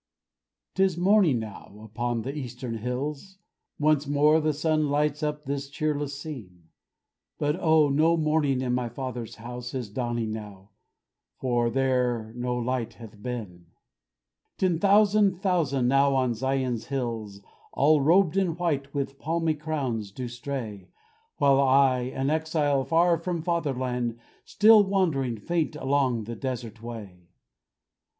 'Tis morning now upon the eastern hills Once more the sun lights up this cheerless scene; But O, no morning in my Father's house Is dawning now, for there no night hath been. Ten thousand thousand now, on Zion's hills, All robed in white, with palmy crowns, do stray, While I, an exile, far from fatherland, Still wandering, faint along the desert way.